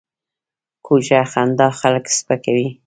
کوږه خندا خلک سپکوي